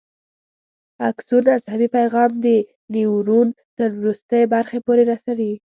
اکسون عصبي پیغام د نیورون تر وروستۍ برخې پورې رسوي.